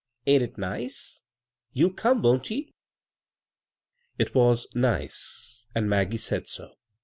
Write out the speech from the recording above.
Ain't it nice? You'll come, won't ye?" It was "nice," and Maggie said so.